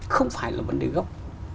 không phải là vấn đề gốc